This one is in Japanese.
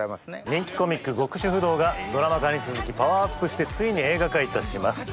人気コミック『極主夫道』がドラマ化に続きパワーアップしてついに映画化いたします。